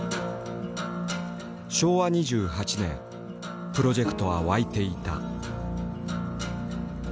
昭和２８年プロジェクトは沸いていた。